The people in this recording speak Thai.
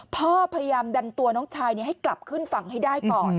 พ่อพยายามดันตัวน้องชายให้กลับขึ้นฝั่งให้ได้ก่อน